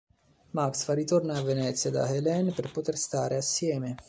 Max fa ritorno a Venezia da Hélène per poter stare assieme.